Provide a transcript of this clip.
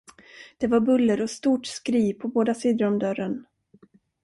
Det var buller och stort skri på båda sidor om dörren.